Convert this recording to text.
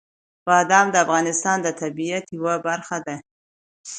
بادام د افغانستان د طبیعت یوه برخه ده.